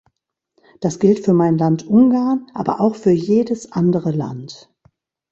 Das gilt für mein Land Ungarn, aber auch für jedes andere Land.